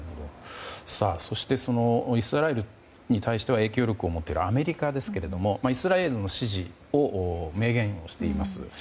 そしてイスラエルに対して影響力を持っているアメリカですけれどもイスラエルの支持を明言しています。